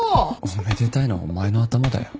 おめでたいのはお前の頭だよ